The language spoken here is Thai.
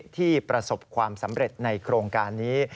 ที่ประสบความสำเร็จในโครงการนี้